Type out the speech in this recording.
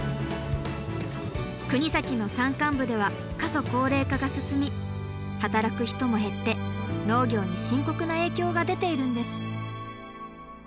国東の山間部では過疎高齢化が進み働く人も減って農業に深刻な影響が出ているんです。